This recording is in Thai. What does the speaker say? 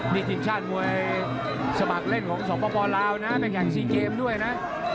มีทินชาติมวยสมัครเล่นของสองประบอบราวนะเป็นแข่งซีเกมด้วยนะ